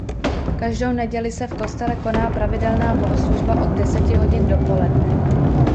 Každou neděli se v kostele koná pravidelná bohoslužba od deseti hodin dopoledne.